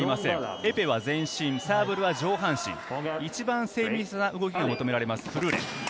エペは全身、サーブルは上半身、一番精密な動きを求められます、フルーレ。